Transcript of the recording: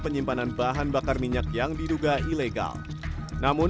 penyimpanan bahan bakar minyak yang diduga ilegal namun